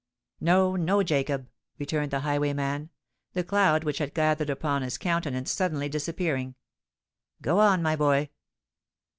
"No—no, Jacob," returned the highwayman, the cloud which had gathered upon his countenance suddenly disappearing. "Go on, my boy."